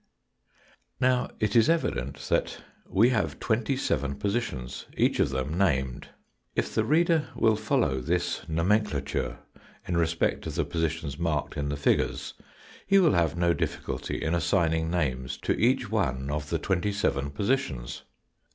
Now, it is evident that we have twenty seven positions, each of them named. If the reader will follow this nomenclature in respect of the positions marked in the figures he will have no difficulty in assigning names to each one of the twenty seven positions.